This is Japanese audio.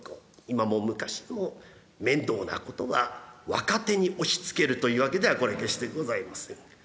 今も昔も面倒なことは若手に押しつけるというわけではこれ決してございません。